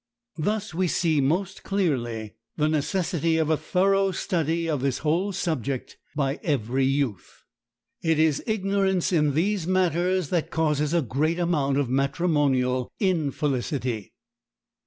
Thus we see most clearly the necessity of a thorough study of this whole subject by every youth. It is ignorance in these matters that causes a great amount of matrimonial infelicity.